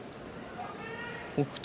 北勝